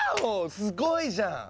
すごいじゃん！